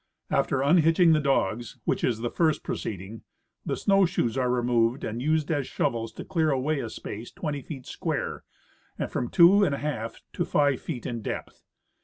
After unhitching the dogs, which is the first proceeding, the snow shoes are removed and used as shovels to clear away a space twenty feet square and from two and a half to five feet in depth.